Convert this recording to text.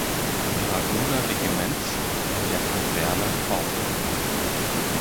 Dragoner-Regiments in der Kaserne auf.